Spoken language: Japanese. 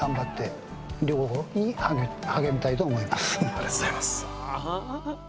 ありがとうございます。